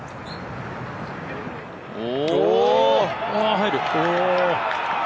入る？